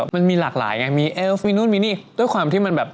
มันมีหลากหลายไงมีเอฟมีนู่นมีนี่ด้วยความที่มันแบบ